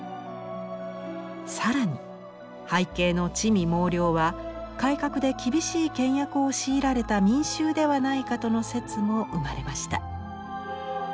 更に背景の魑魅魍魎は改革で厳しい倹約を強いられた民衆ではないかとの説も生まれました。